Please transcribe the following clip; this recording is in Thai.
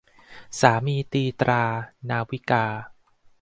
สามีตีตรา - นาวิกา